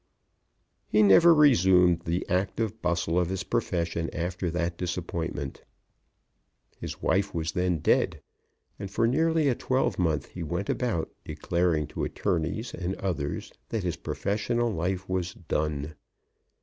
He never resumed the active bustle of his profession after that disappointment. His wife was then dead, and for nearly a twelvemonth he went about, declaring to attorneys and others that his professional life was done.